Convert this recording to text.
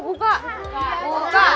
buka pak kiai